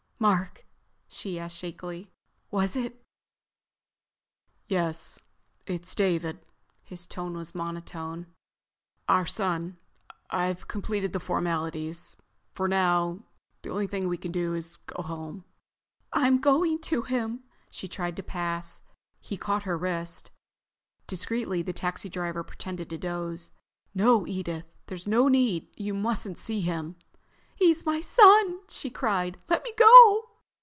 "Mark," she asked shakily, "was it—" "Yes, it's David." His voice was a monotone. "Our son. I've completed the formalities. For now the only thing we can do is go home." "I'm going to him!" She tried to pass. He caught her wrist. Discretely the taxi driver pretended to doze. "No, Edith! There's no need. You mustn't—see him!" "He's my son!" she cried. "Let me go!"